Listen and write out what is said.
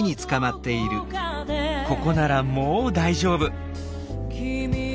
ここならもう大丈夫。